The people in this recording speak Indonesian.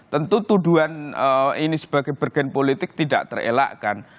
tentu tuduhan ini sebagai bergen politik tidak terelakkan